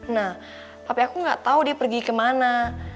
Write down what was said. nah papi aku gak tau dia pergi kemana